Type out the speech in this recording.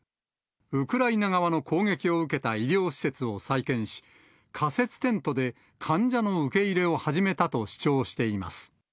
ウクライナ側の攻撃を受けた医療施設を再建し、仮設テントで患者の受け入れを始めたと主張しています。